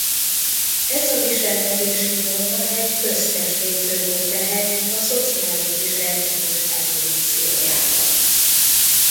Ez a viselkedési forma egy köztes lépcsőfok lehet a szociális viselkedés evolúciójában.